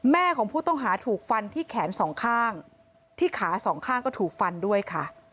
ของผู้ต้องหาถูกฟันที่แขนสองข้างที่ขาสองข้างก็ถูกฟันด้วยค่ะ